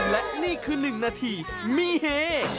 และนี่คือหนึ่งนาทีมีเฮ้